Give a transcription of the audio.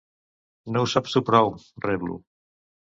No ho saps tu prou —reblo.